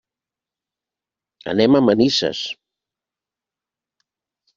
Anem a Manises.